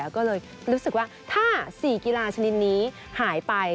ก็เลยรู้สึกว่าถ้า๔กีฬาชนิดนี้หายไป